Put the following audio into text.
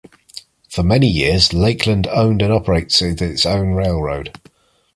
For many years, Lakeland owned and operated its own railroad.